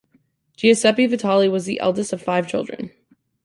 Giuseppe Vitali was the eldest of five children.